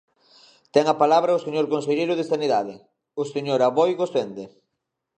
Ten a palabra o señor conselleiro de Sanidade, o señor Aboi Gosende.